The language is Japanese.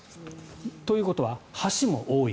ということは橋も多い。